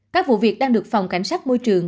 các vụ việc đang được phòng cảnh sát môi trường